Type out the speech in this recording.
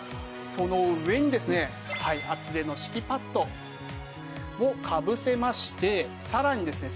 その上にですね厚手の敷きパッドをかぶせましてさらにですね